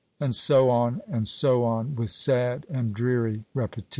And so on, and so on, with sad and dreary repetition.